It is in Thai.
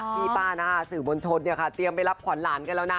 พี่ป้านะคะสื่อมวลชนเนี่ยค่ะเตรียมไปรับขวัญหลานกันแล้วนะ